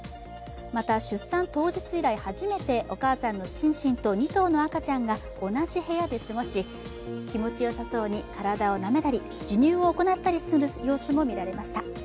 また出産当日以来初めてお母さんのシンシンと２頭の赤ちゃんが同じ部屋で過ごし、気持ちよさそうに体をなめたり授乳を行ったりする様子も見られました。